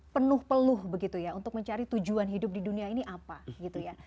penuh peluh begitu ya untuk mencari tujuan hidup di dunia ini apa gitu ya